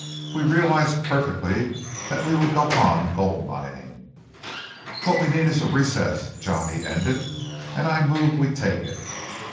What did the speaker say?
We realized perfectly that we would go on gold mining. "What we need is a recess," Johnny ended, "and I move we take it.